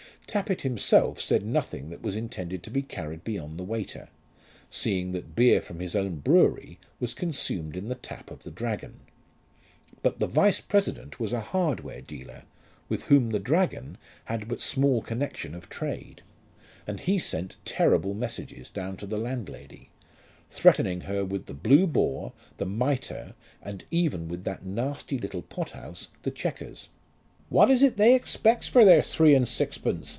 Tappitt himself said nothing that was intended to be carried beyond the waiter, seeing that beer from his own brewery was consumed in the tap of the Dragon; but the vice president was a hardware dealer with whom the Dragon had but small connection of trade, and he sent terrible messages down to the landlady, threatening her with the Blue Boar, the Mitre, and even with that nasty little pothouse the Chequers. "What is it they expects for their three and sixpence?"